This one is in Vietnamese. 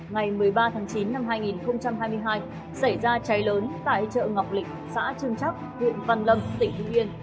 ngày một mươi ba tháng chín năm hai nghìn hai mươi hai xảy ra cháy lớn tại chợ ngọc lịch xã trưng chắc huyện văn lâm tỉnh hưng yên